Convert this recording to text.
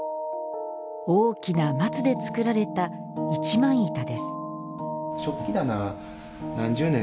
大きな松で作られた一枚板です